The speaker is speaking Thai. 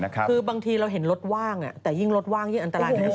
คือบางทีเราเห็นรถว่างแต่ยิ่งรถว่างยิ่งอันตรายที่สุด